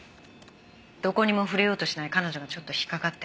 どこにも触れようとしない彼女がちょっと引っかかって